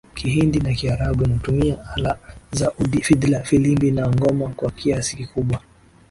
Kihindi na Kiarabu inatumia ala za udi fidla filimbi na ngoma Kwa kiasi kikubwa